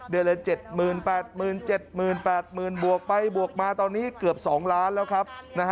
เดือนละ๗๘๗๘๐๐๐บวกไปบวกมาตอนนี้เกือบ๒ล้านแล้วครับ